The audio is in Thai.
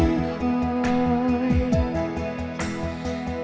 คิดถึงฉันหรือเปล่า